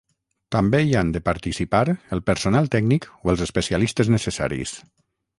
També hi han de participar el personal tècnic o els especialistes necessaris.